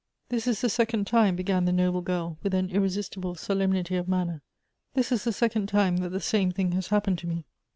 "This is the second time," began the noble girl, with an irresistible solemnity of manner, "this is the second time that the same thing has happened to me.